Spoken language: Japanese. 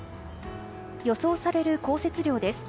予想される降雪量です。